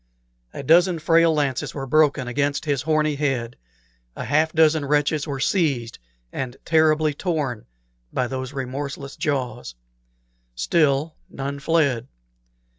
A dozen frail lances were broken against his horny head, a half dozen wretches were seized and terribly torn by those remorseless jaws. Still none fled.